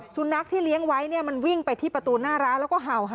สุนัขที่เลี้ยงไว้เนี่ยมันวิ่งไปที่ประตูหน้าร้านแล้วก็เห่าค่ะ